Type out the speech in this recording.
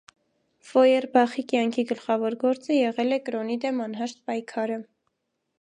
Ֆոյերբախի կյանքի գլխավոր գործը եղել է կրոնի դեմ անհաշտ պայքարը։